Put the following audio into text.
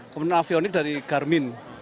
kemudian avionik dari garmin